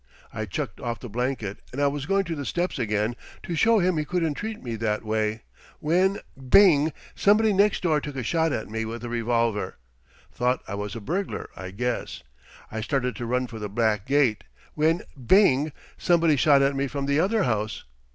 I chucked off the blanket, and I was going up the steps again, to show him he couldn't treat me that way, when bing! somebody next door took a shot at me with a revolver. Thought I was a burglar, I guess. I started to run for the back gate, when bing! somebody shot at me from the other house.